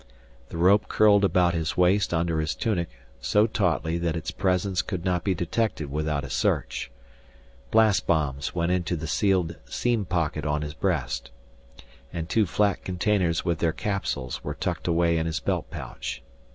The rope curled about his waist under his tunic so tautly that its presence could not be detected without a search, blast bombs went into the sealed seam pocket on his breast, and two flat containers with their capsules were tucked away in his belt pouch.